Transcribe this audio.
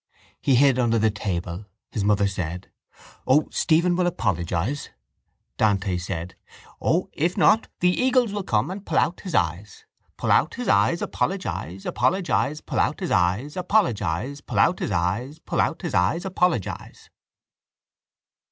He hid under the table. His mother said: —O, Stephen will apologise. Dante said: —O, if not, the eagles will come and pull out his eyes.— Pull out his eyes, Apologise, Apologise, Pull out his eyes. Apologise, Pull out his eyes, Pull out his eyes, Apologise.